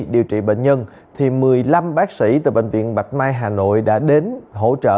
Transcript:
điều trị bệnh nhân thì một mươi năm bác sĩ từ bệnh viện bạch mai hà nội đã đến hỗ trợ